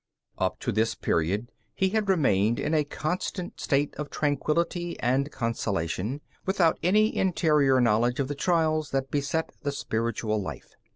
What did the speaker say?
Up to this period he had remained in a constant state of tranquillity and consolation, without any interior knowledge of the trials that beset the spiritual life.